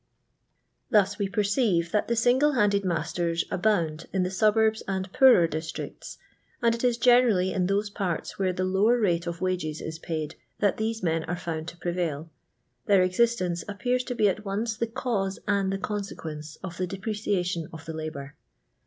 Thus we perceive, that the single handed masters abound in the suburbs and poorer dis tricts; and it is generally in those parts where the lower rate of wages is paid that these men are found to prevail. Their existence appears to be at once the cause and the consequence of the depreciation of the labour.